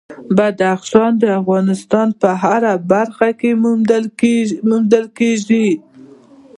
بدخشان د افغانستان په هره برخه کې موندل کېږي.